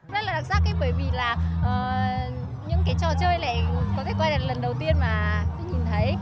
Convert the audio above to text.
rất là đặc sắc bởi vì là những cái trò chơi này có thể coi là lần đầu tiên mà tôi nhìn thấy